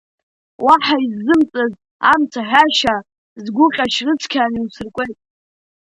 Уаҳа иззымҵаз амц аҳәашьа, сгәы ҟьашь рыцқьан иусыркуеит.